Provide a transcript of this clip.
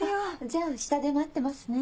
じゃあ下で待ってますね。